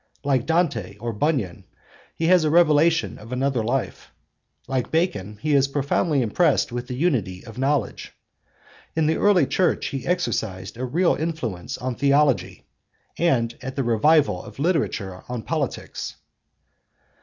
Like Dante or Bunyan, he has a revelation of another life; like Bacon, he is profoundly impressed with the unity of knowledge; in the early Church he exercised a real influence on theology, and at the Revival of Literature on politics.